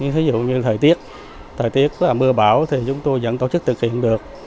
thí dụ như thời tiết thời tiết mưa bão thì chúng tôi vẫn tổ chức thực hiện được